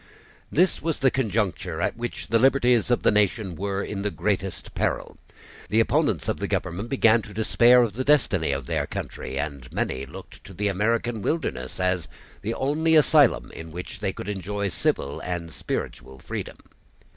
This was the conjuncture at which the liberties of the nation were in the greatest peril. The opponents of the government began to despair of the destiny of their country; and many looked to the American wilderness as the only asylum in which they could enjoy civil and spiritual freedom.